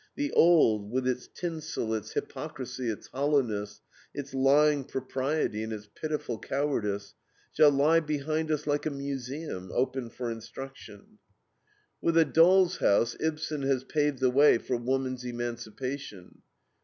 The old, with its tinsel, its hypocrisy, its hollowness, its lying propriety, and its pitiful cowardice, shall lie behind us like a museum, open for instruction." With A DOLL'S HOUSE Ibsen has paved the way for woman's emancipation.